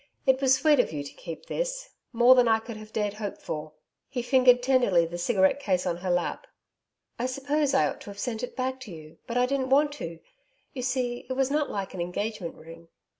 It was sweet of you to keep this more than I could have dared hope for.' He fingered tenderly the cigarette case on her lap. 'I suppose I ought to have sent it back to you. But I didn't want to. You see it was not like an engagement ring.'